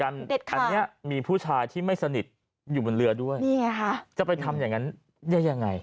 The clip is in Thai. แล้วเห็นการอันนี้มีผู้ชายที่ไม่สนิทอยู่บนเรือด้วยจะไปทำอย่างนั้นยังไง